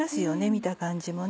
見た感じもね。